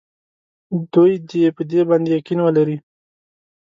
دوی دې په دې باندې یقین ولري.